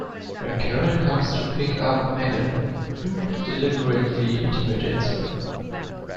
When Karen comes to pick up Megan, Doob deliberately intimidates her.